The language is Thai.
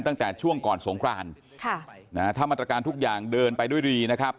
ตั้งแต่ช่วงก่อนสงครานค่ะนะฮะถ้ามาตรการทุกอย่างเดินไปด้วยดีนะครับ